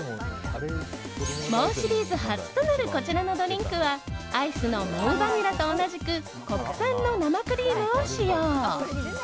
ＭＯＷシリーズ初となるこちらのドリンクはアイスのＭＯＷバニラと同じく国産の生クリームを使用。